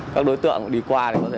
các đối tượng đi qua thì có thể rất dễ